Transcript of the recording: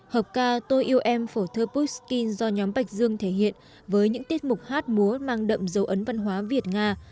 hợp ca tôi yêu em phổ thơ pushkin do nhóm bạch dương thể hiện với những tiết mục hát múa mang đậm dấu ấn văn hóa việt nga